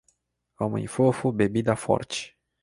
Homem fofo, bebida forte